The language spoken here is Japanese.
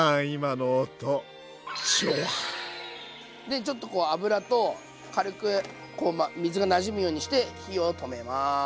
でちょっとこう油と軽く水がなじむようにして火を止めます。